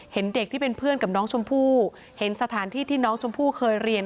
เห็นเด็กที่เป็นเพื่อนกับน้องชมพู่เห็นสถานที่ที่น้องชมพู่เคยเรียน